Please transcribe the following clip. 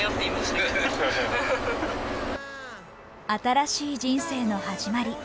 新しい人生の始まり。